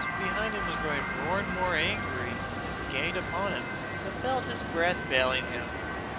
Fergus behind him was growing more and more angry as he gained upon him but felt his breath failing him.